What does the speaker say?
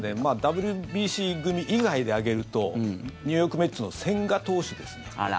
ＷＢＣ組以外で挙げるとニューヨーク・メッツの千賀投手ですね。